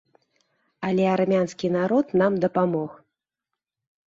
Але армянскі народ нам дапамог.